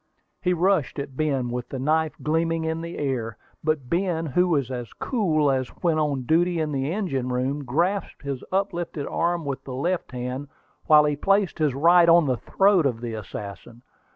He rushed at Ben, with the knife gleaming in the air; but Ben, who was as cool as when on duty in the engine room, grasped his uplifted arm with the left hand, while he placed his right on the throat of the assassin.